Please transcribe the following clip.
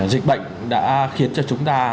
dịch bệnh đã khiến cho chúng ta